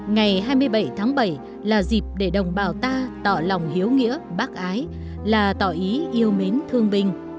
ngày hai mươi bảy tháng bảy là dịp để đồng bào ta tỏ lòng hiếu nghĩa bác ái là tỏ ý yêu mến thương binh